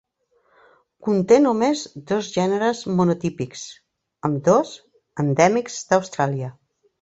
Conté només dos gèneres monotípics, ambdós endèmics d'Austràlia.